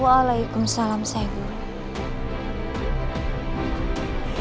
waalaikumsalam seh guru